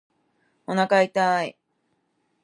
おなか痛い